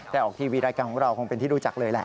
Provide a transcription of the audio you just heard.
แต่ออกทีวีรายการของเราคงเป็นที่รู้จักเลยแหละ